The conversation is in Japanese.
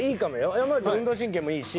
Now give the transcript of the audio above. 山内は運動神経もいいし。